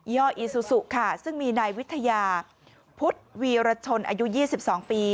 ่ออีซูซูค่ะซึ่งมีนายวิทยาพุทธวีรชนอายุ๒๒ปี